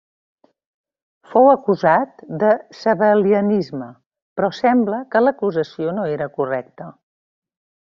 Fou acusat de sabel·lianisme però sembla que l'acusació no era correcte.